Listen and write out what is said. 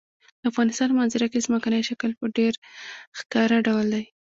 د افغانستان په منظره کې ځمکنی شکل په ډېر ښکاره ډول دی.